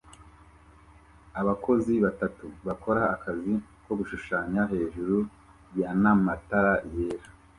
Abakozi batatu bakora akazi ko gushushanya hejuru yana matara yera